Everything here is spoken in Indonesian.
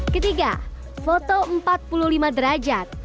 ketiga foto empat puluh lima derajat